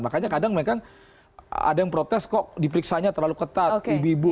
makanya kadang mereka ada yang protes kok diperiksanya terlalu ketat ibu ibu